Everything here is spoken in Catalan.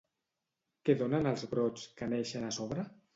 Què donen els brots que neixen a sobre?